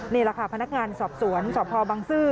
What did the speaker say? นี่แหละค่ะพนักงานสอบสวนสพบังซื้อ